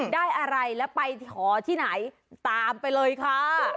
ได้อะไรแล้วไปหอที่ไหนตามไปเลยค่ะ